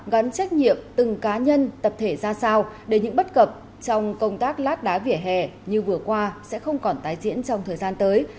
gắn trách nhiệm từng cá nhân tập thể ra sao để những bất cập trong công tác lát đá vỉa hè như vừa qua sẽ không còn tái diễn trong thời gian tới